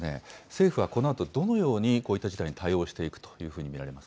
政府はこのあとどのようにこういった事態に対応していくというふ